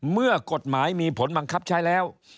เมื่อกฎหมายมีผลบังคับใช้แล้ว